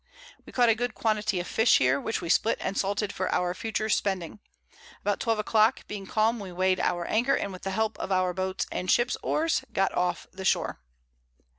We caught a good quantity of Fish here, which we split and salted for our future Spending. About 12 a Clock, being calm, we weighed our Anchor, and with the Help of our Boats and Ships Oars got off the Shore.